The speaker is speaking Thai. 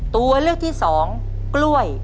ตัวเลือกที่สองกล้วย